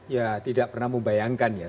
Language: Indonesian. ya tidak pernah membayangkan ya